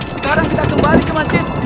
sekarang kita kembali ke masjid